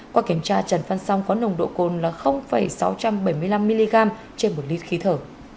qua kiểm tra trần văn song có nồng độ cồn là sáu trăm bảy mươi năm mg trên một lít khí thở